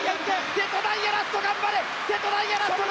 瀬戸大也、ラスト頑張れ！